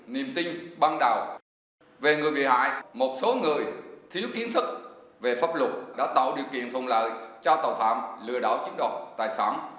nhiệm tin ban đầu về người bị hại một số người thiếu kiến thức về pháp luật đã tạo điều kiện phùng lợi cho tàu phạm lừa đổ chiếm đoạt tài sản